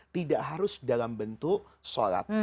tidak harus dalam bentuk sholat